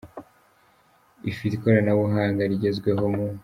ifite ikoranabuhanga rigezweho mu.